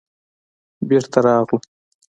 بېرته راغلو.